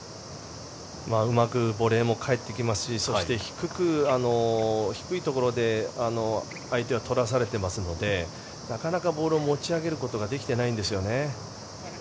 うまくボレーも返ってきますしそして低いところで相手は取らされていますのでなかなかボールを持ち上げることができていないんですよね。